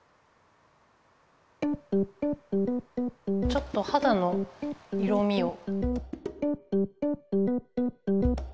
ちょっとはだの色みを。